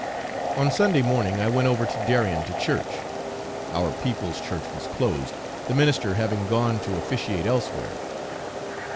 On Sunday morning I went over to Darien to church. Our people's church was closed, the minister having gone to officiate elsewhere.